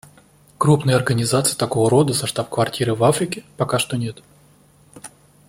Крупной организации такого рода со штаб-квартирой в Африке пока что нет.